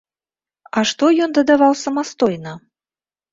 А што ён дадаваў самастойна?